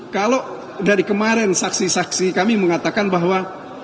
kalau dari kemarin saksi saksi kami mengatakan bahwa